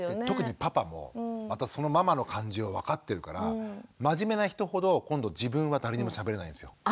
特にパパもまたそのママの感じを分かってるから真面目な人ほど今度自分は誰にもしゃべれないんですよ。